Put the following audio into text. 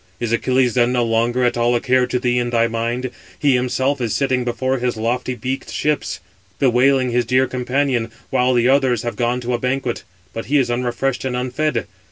Is Achilles then no longer at all a care to thee in thy mind? He himself is sitting before his lofty beaked ships, bewailing his dear companion; while the others have gone to a banquet; but he is unrefreshed and unfed.